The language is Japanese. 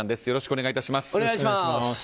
よろしくお願いします。